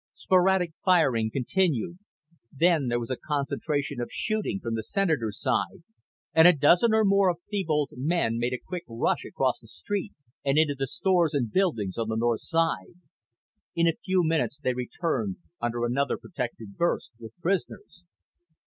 Sporadic firing continued. Then there was a concentration of shooting from the Senator's side, and a dozen or more of Thebold's men made a quick rush across the street and into the stores and buildings on the north side. In a few minutes they returned, under another protective burst, with prisoners.